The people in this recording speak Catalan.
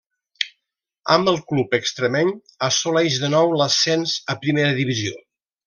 Amb el club extremeny assoleix de nou l'ascens a primera divisió.